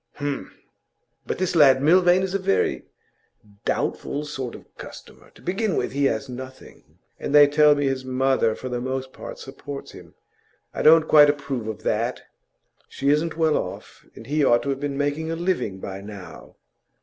'H'm! But this lad Milvain is a very doubtful sort of customer. To begin with, he has nothing, and they tell me his mother for the most part supports him. I don't quite approve of that. She isn't well off, and he ought to have been making a living by now.